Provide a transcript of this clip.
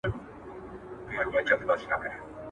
موږ باید د علم او پوهې ډېوه روښانه وساتو.